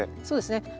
そうですね。